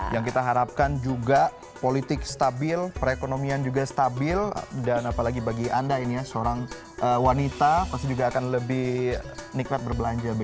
yang kita harapkan juga politik stabil perekonomian juga stabil dan apalagi bagi anda ini ya seorang wanita pasti juga akan lebih nikmat berbelanja